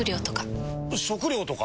食料とか。